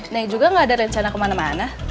nah juga gak ada rencana kemana mana